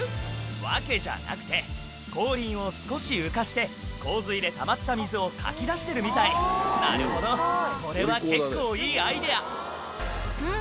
わけじゃなくて後輪を少し浮かせて洪水でたまった水をかき出してるみたいなるほどこれは結構いいアイデアうん？